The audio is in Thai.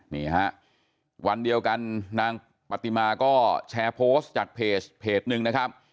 นี่ฮะวันเดียวกันนางปฏิมาก็แชร์โพสต์จากเพจหนึ่งนะครับ